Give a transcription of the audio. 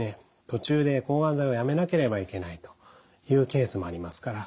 途中で抗がん剤をやめなければいけないというケースもありますから。